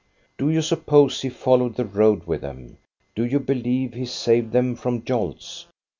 Do you suppose he followed the road with them ; do you believe he saved them from jolts